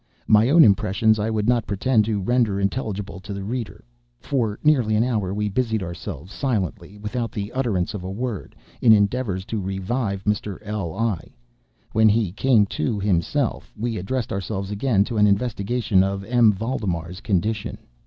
My own impressions I would not pretend to render intelligible to the reader. For nearly an hour, we busied ourselves, silently—without the utterance of a word—in endeavors to revive Mr. L—l. When he came to himself, we addressed ourselves again to an investigation of M. Valdemar's condition.